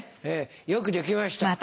よくできました。